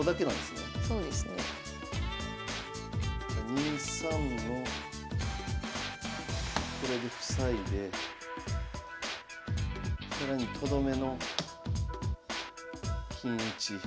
２三のこれで塞いで更にとどめの金打ち。